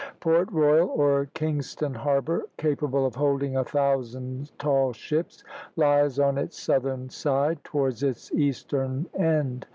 Port Royal, or Kingston Harbour, capable of holding a thousand tall ships, lies on its southern side, towards its eastern end.